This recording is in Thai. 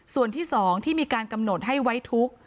ส่วนที่๒ที่มีการกำหนดให้ไว้ทุกข์